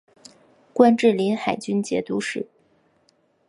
官至临海军节度使。